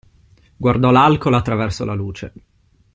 Guardò l'alcol attraverso la luce.